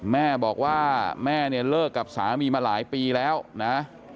แม่บอกว่าแม่เนี่ยเลิกกับสามีมาหลายปีแล้วนะ